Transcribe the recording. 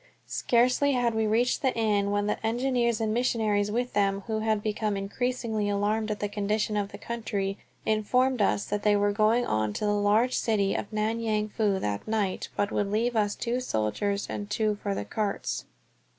Scarcely had we reached the inn when the engineers and the missionaries with them who had become increasingly alarmed at the condition of the country, informed us that they were going on to the large city of Nan Yang Fu that night, but would leave us two soldiers and two of their carts.